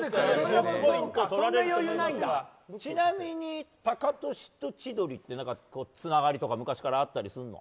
ちなみにタカトシと千鳥ってつながりとか昔からあったりするの？